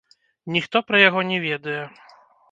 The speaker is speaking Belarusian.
Ніхто пра яго не ведае.